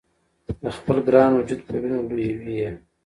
د خپل ګران وجود په وینو لویوي یې